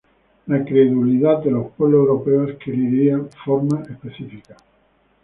La credulidad de los pueblos europeos adquiría formas específicas.